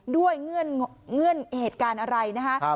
เงื่อนเหตุการณ์อะไรนะคะ